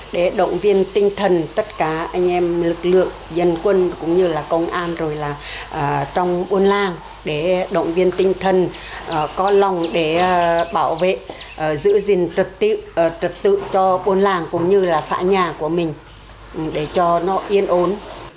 đồng viên tinh thần tất cả anh em lực lượng dân quân cũng như là công an rồi là trong bốn làng để động viên tinh thần có lòng để bảo vệ giữ gìn trật tự cho bốn làng cũng như là xã nhà của mình để cho nó yên ổn